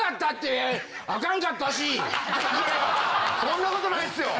いやいやそんなことないっすよ！